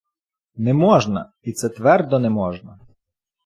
Не можна, і це твердо не можна.